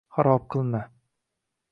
Xarob qilma.